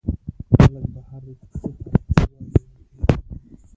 خلک به هرڅه هرڅه وايي نو ته يې منې؟